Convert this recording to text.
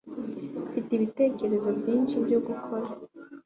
Mfite ibitekerezo byinshi byo gukora